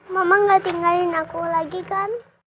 mama gak tinggalin aku lagi kan